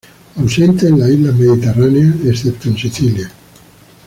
Ausente en las islas mediterráneas excepto en Sicilia.